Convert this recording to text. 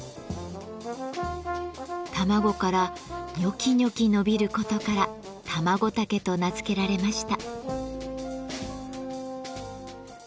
卵からニョキニョキ伸びることからタマゴタケと名付けられました。